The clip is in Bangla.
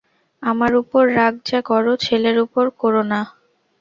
আমার উপর রাগ যা কর, ছেলের উপর কোরো না।